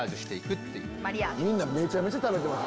みんなめちゃめちゃ食べてます。